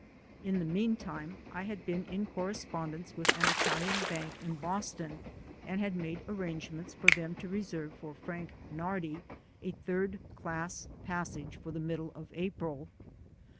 In the meantime I had been in corre spondence with an Italian bank in Boston and had made arrangements for them to reserve for "Frank Nardi" a third class passage for the middle of April.